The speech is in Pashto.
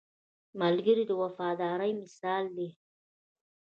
ملګری د وفادارۍ مثال دی